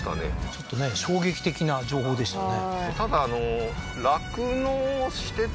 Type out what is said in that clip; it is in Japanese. ちょっとね衝撃的な情報でしたね